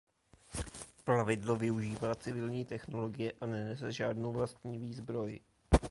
Plavidlo využívá civilní technologie a nenese žádnou vlastní výzbroj.